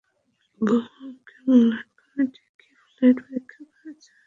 বোমার হুমকি মূল্যায়ন কমিটি কি ফ্লাইট পরীক্ষা করেছে?